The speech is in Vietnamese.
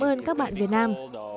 cảm ơn các bạn việt nam